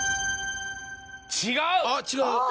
違う。